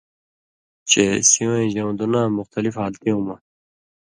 چے سِوَیں ژؤن٘دُناں مُختلف حالتیُوں مہ